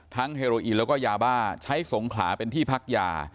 เฮโรอีนแล้วก็ยาบ้าใช้สงขลาเป็นที่พักยา